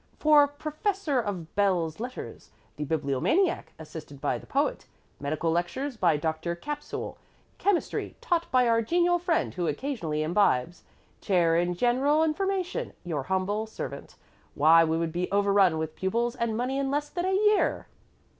For Professor of Belles lettres, the Bibliomaniac, assisted by the Poet; Medical Lectures by Dr. Capsule; Chemistry taught by our genial friend who occasionally imbibes; Chair in General Information, your humble servant. Why, we would be overrun with pupils and money in less than a year."